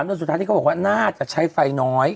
จนสุดท้ายที่เขาบอกว่าน่าจะใช้ไฟน้อย